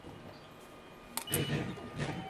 En su parte más alta se puede ver una cruz de metal.